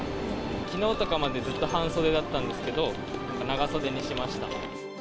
きのうとかまでずっと半袖だったんですけど、長袖にしました。